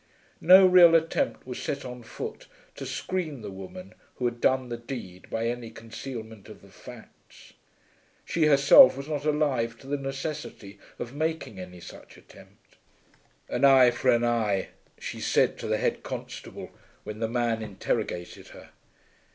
No real attempt was set on foot to screen the woman who had done the deed by any concealment of the facts. She herself was not alive to the necessity of making any such attempt. "An eye for an eye!" she said to the head constable when the man interrogated her.